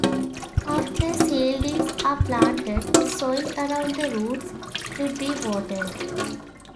After seedlings are planted, the soil around the roots should be watered.